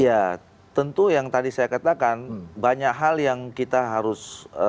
ya tentu yang tadi saya katakan banyak hal yang kita harus